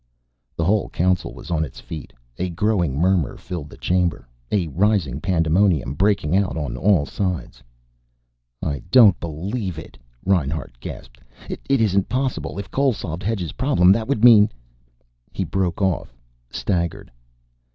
The whole Council was on its feet. A growing murmur filled the chamber, a rising pandemonium breaking out on all sides. "I don't believe it!" Reinhart gasped. "It isn't possible. If Cole solved Hedge's problem that would mean " He broke off, staggered.